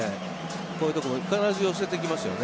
こういうところも必ず寄せてきますよね